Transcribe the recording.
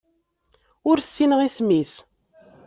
Ur ssineɣ isem-is.